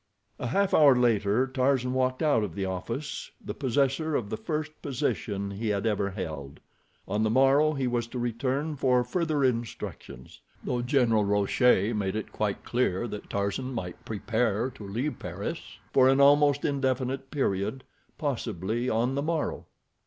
A half hour later Tarzan walked out of the office the possessor of the first position he had ever held. On the morrow he was to return for further instructions, though General Rochere had made it quite plain that Tarzan might prepare to leave Paris for an almost indefinite period, possibly on the morrow.